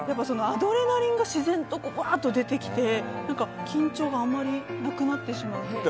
アドレナリンが自然と出てきて緊張があまりなくなってしまうという。